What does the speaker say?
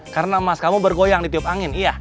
karena emas kamu bergoyang di tiup angin iya